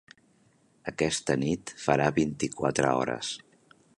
Aquesta nit farà vint-i-quatre hores.